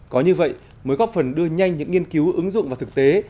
có như vậy mới góp phần đưa nhanh những nghiên cứu ứng dụng vào thực tế